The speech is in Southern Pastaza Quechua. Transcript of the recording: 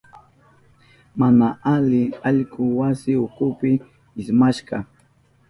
Mana ali allku wasi ukupi ismashka.